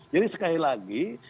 jadi sekali lagi